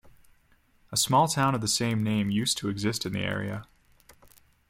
A small town of the same name used to exist in the area.